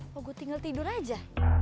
kalau gue tinggal tidur aja